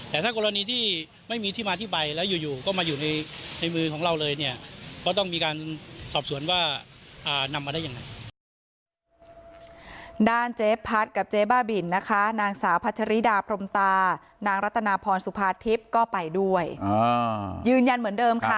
แต่ถ้ากรณีที่ไม่มีที่มาที่ไปแล้วอยู่ก็มาอยู่ในมือของเราเลยเนี่ย